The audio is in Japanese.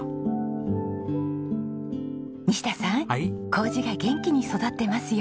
糀が元気に育ってますよ。